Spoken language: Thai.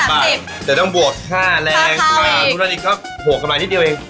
เดี๋ยวต้องบวกค่าแล้งอ่ะทุกราณิก็โผล่คนไลน์นิดเดียวเอง